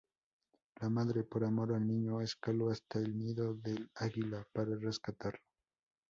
La madre, por amor al niño, escaló hasta el nido del águila para rescatarlo.